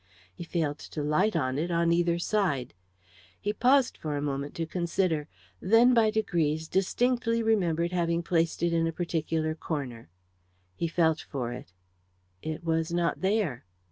He failed to light on it on either side. He paused for a moment to consider. Then, by degrees, distinctly remembered having placed it in a particular corner. He felt for it. It was not there.